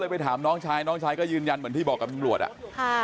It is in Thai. ก็เลยไปถามน้องชายน้องชายก็ยืนยันเหมือนที่บอกกับจังหวัดอะ